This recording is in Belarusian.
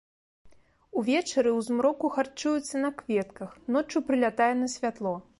Увечары ў змроку харчуецца на кветках, ноччу прылятае на святло.